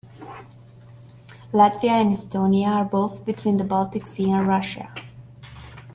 Latvia and Estonia are both between the Baltic Sea and Russia.